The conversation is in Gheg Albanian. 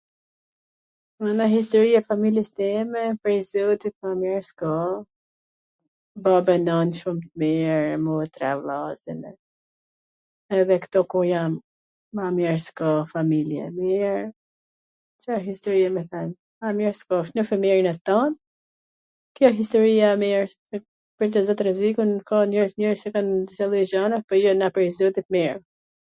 Mana historia e familjes time prej zotit ma mir s ka, bab e nan shum t mir, motra e vllazwn, e, edhe ktu ku jam ma mir s ka, familje e mir, Ca historie me thwn, ma mir s ka, po shnosh emir jena t tan, kjo w historia e mir, [???] ka njerz qw kan disa lloj gjana po jena ... prej zotit mir.